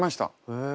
へえ。